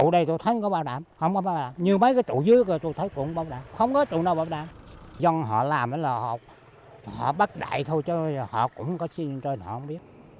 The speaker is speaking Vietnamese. dân họ làm là họ bắt đại thôi họ cũng có xin rồi họ không biết